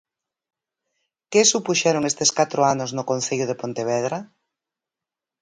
Que supuxeron estes catro anos no concello de Pontevedra?